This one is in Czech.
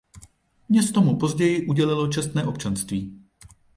Město mu později udělilo čestné občanství.